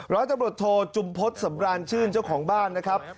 เราจะบริโธษจุมพลตสำราญชื่นเจ้าของบ้านนะครับ